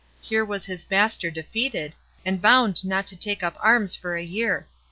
Here was his master defeated, and bound not to take up arms for a year.